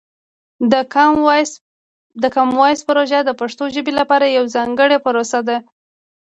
د کامن وایس پروژه د پښتو ژبې لپاره یوه ځانګړې پروسه ده.